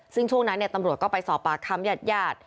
ซึ่งช่วงนั้นตำรวจก็ไปสอบปากคำญาติญาติ